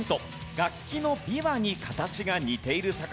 楽器の琵琶に形が似ている魚です。